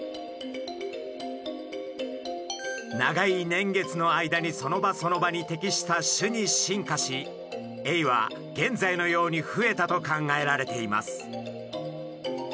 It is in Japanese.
長い年月の間にその場その場に適した種に進化しエイは現在のように増えたと考えられています。